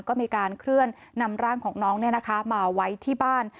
ก็มีการเคลื่อนนำร่างของน้องมาไว้ที่บ้าน